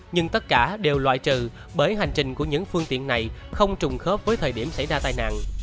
nhưng tất cả đều loại trừ bởi hành trình của những phương tiện này không trùng khớp với thời điểm xảy ra tai nạn